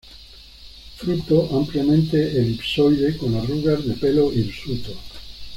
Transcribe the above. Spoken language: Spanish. Fruto ampliamente elipsoide, con arrugas de pelo hirsuto.